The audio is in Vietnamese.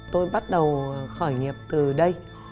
tôi bắt đầu khởi nghiệp từ đây